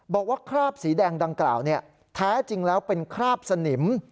คราบสีแดงดังกล่าวแท้จริงแล้วเป็นคราบสนิม